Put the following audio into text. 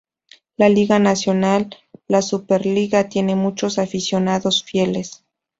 La liga nacional "La Superliga" tiene muchos aficionados fieles.